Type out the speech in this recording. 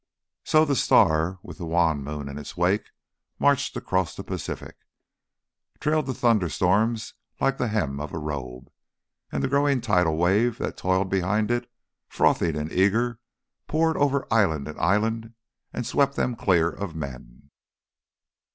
So the star, with the wan moon in its wake, marched across the Pacific, trailed the thunderstorms like the hem of a robe, and the growing tidal wave that toiled behind it, frothing and eager, poured over island and island and swept them clear of men.